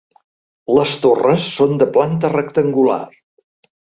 Les torres són de planta rectangular.